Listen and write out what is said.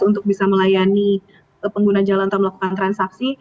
untuk bisa melayani pengguna jalan atau melakukan transaksi